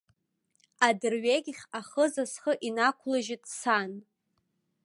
Адырҩегьх ахыза схы инақәлыжьит сан.